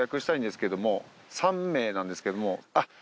３名なんですけれども。